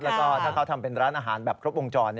แล้วก็ถ้าเขาทำเป็นร้านอาหารแบบครบวงจร